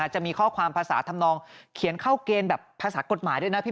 จะมีข้อความภาษาทำนองเขียนเข้าเกณฑ์แบบภาษากฎหมายด้วยนะพี่